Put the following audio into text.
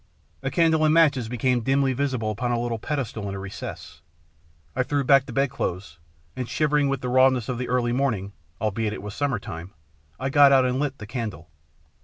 A candle and matches became dimly visible upon a little pedestal in a recess. I threw back the bedclothes, and, shivering with the rawness of the early morning, albeit it was summer time, I got out and lit the candle.